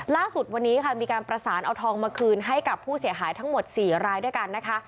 ล่าสุดวันนี้ค่ะมีการประสานเอาทองมาคืนให้กับผู้เสียหายทั้งหมด๔รายด้วยกันนะคะ